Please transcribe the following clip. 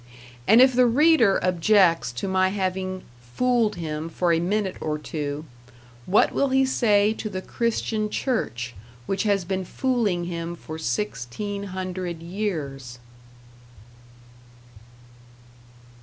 And if the reader objects to my having fooled him for a minute or two, what will he say to the Christian Church, which has been fooling him for sixteen hundred years?